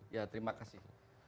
ya terima kasih